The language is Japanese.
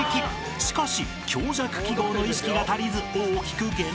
［しかし強弱記号の意識が足りず大きく減点でした］